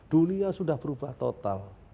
dunia sudah berubah total